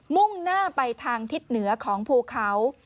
มุ่งหน้าไปทางทิศเหนือของภูเขา